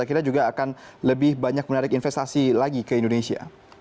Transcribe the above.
akhirnya juga akan lebih banyak menarik investasi lagi ke indonesia